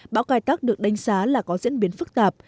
bão cài tắt được đánh giá là có diễn biến phức tạp